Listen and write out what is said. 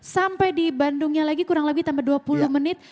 sampai di bandungnya lagi kurang lebih tambah dua puluh menit